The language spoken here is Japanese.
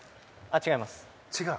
違います。